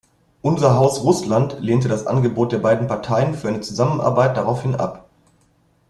Unser Haus Russland lehnte das Angebot der beiden Parteien für eine Zusammenarbeit daraufhin ab.